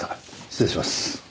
失礼します。